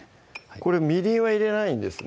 これみりんは入れないんですね